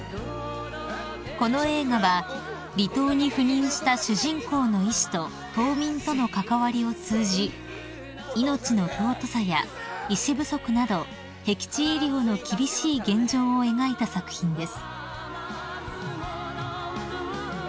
［この映画は離島に赴任した主人公の医師と島民との関わりを通じ命の尊さや医師不足などへき地医療の厳しい現状を描いた作品です］